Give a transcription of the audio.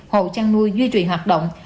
hồ chăn nuôi duy trì hoạt động